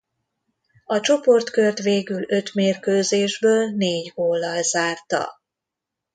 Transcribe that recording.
A csoportkört végül öt mérkőzésből négy góllal zárta.